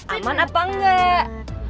aman apa enggak